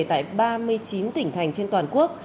tại ba mươi chín tỉnh thành trên toàn quốc